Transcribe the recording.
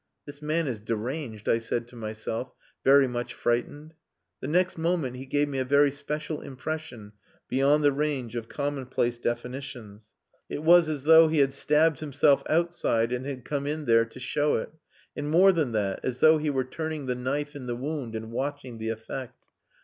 "This man is deranged," I said to myself, very much frightened. The next moment he gave me a very special impression beyond the range of commonplace definitions. It was as though he had stabbed himself outside and had come in there to show it; and more than that as though he were turning the knife in the wound and watching the effect.